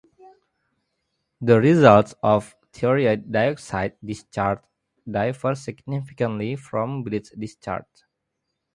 The results of thiourea dioxide discharge differ significantly from bleach discharge.